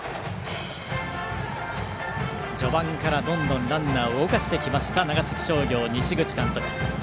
序盤からどんどんランナーを動かしてきました長崎商業、西口監督。